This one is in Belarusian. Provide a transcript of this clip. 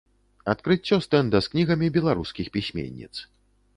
Адкрыццё стэнда з кнігамі беларускіх пісьменніц.